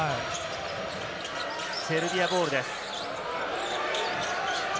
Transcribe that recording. セルビアボールです。